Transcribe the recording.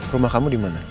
rumah kamu dimana